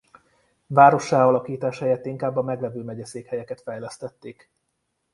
Várossá alakítás helyett inkább a meglevő megyeszékhelyeket fejlesztették.